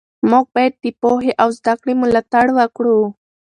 موږ باید د پوهې او زده کړې ملاتړ وکړو.